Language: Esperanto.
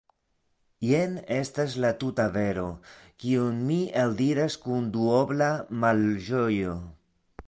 Jen estas la tuta vero, kiun mi eldiras kun duobla malĝojo.